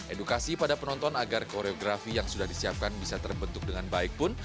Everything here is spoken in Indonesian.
edukasi pada penonton agar koreografi yang sudah disiapkan bisa terbentuk dengan baik pun